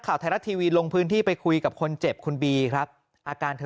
ข่าวไทยรัฐทีวีลงพื้นที่ไปคุยกับคนเจ็บคุณบีครับอาการเธอ